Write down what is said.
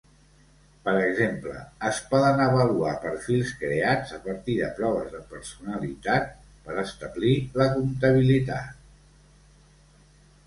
Per exemple, es poden avaluar perfils creats a partir de proves de personalitat per establir la compatibilitat.